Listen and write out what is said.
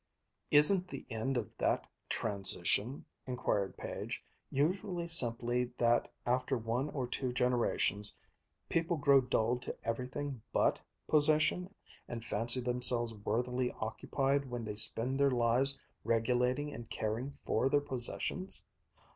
"Isn't the end of that 'transition,'" inquired Page, "usually simply that after one or two generations people grow dulled to everything but possession and fancy themselves worthily occupied when they spend their lives regulating and caring for their possessions.